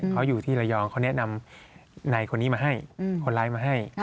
เขาอยู่ที่ระยองเขาแนะนำในคนนี้มาให้คนร้ายมาให้